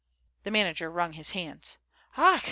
The manager wrung his hands. "Ach!"